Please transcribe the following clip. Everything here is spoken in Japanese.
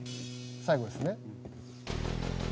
最後ですね。